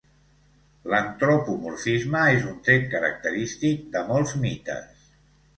L'antropomorfisme és un tret característic de molts mites.